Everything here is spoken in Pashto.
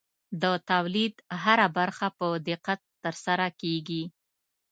د تولید هره برخه په دقت ترسره کېږي.